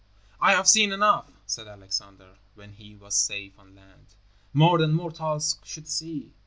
"I have seen enough," said Alexander, when he was safe on land, "more than mortals should see.